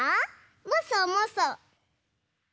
もそもそ。